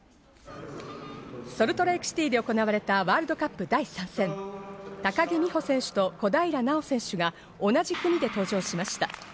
ソルトレークシティーで行われたワールドカップ第３戦、高木美帆選手と小平奈緒選手が同じ組で登場しました。